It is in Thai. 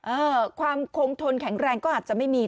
เออความคงทนแข็งแรงก็อาจจะไม่มี